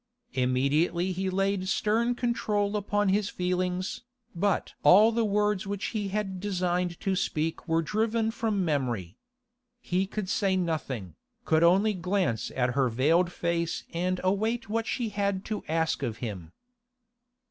Immediately he laid stern control upon his feelings, but all the words which he had designed to speak were driven from memory. He could say nothing, could only glance at her veiled face and await what she had to ask of him.